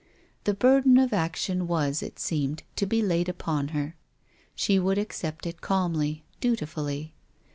The burden of action was, it seemed, to be laid upon her. She would accept it calmly, dutifully.